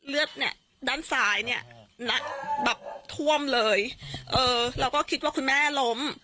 เลือดด้านสายเนี่ยแบบท่วมเลยเราก็คิดว่าคุณแม่ล้ม